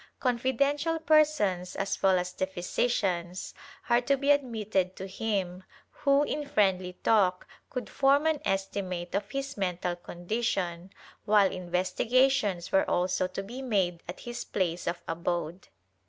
Confi dential persons, as well as the physicians, are to be admitted to him, who in friendly talk could form an estimate of his mental condition, while investigations were also to be made at his place of abode.